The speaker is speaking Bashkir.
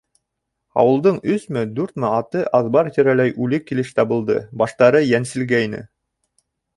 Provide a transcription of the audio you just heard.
Ауылдың өсмө, дүртме аты аҙбар тирәләй үлек килеш табылды: баштары йәнселгәйне.